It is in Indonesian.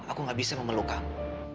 aku nggak bisa memeluk kamu